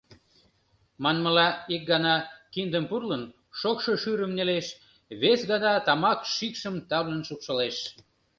Манмыла, ик гана, киндым пурлын, шокшо шӱрым нелеш, вес гана тамак шикшым тамлын шупшылеш.